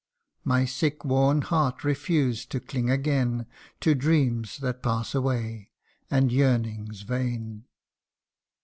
My sick worn heart refused to cling again To dreams that pass away, and yearnings vain.